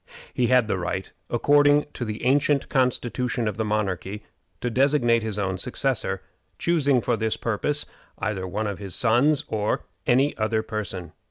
He had the right, according to the ancient constitution of the monarchy, to designate his own successor, choosing for this purpose either one of his sons or any other person.